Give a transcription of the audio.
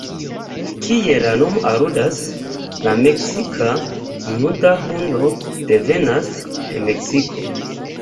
Kiel la nomo aludas, la meksika nuda hundo devenas de Meksiko.